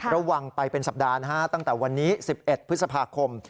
ระวังไปเป็นสัปดาห์นะฮะตั้งแต่วันนี้๑๑พฤษภาคม